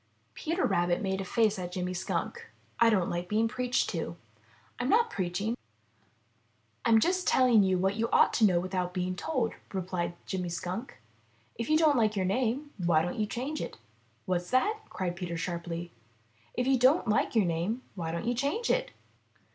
'* Peter Rabbit made a face at Jimmy Skunk. ''I don't like being preached to." 'I'm not preaching; I'm just telling you what you ought to know without being told," replied Jimmy Skunk. ''If you don't like your name, why don't you change it?" "What's that?" cried Peter sharply. "If you don't like your name, why don't you change it?"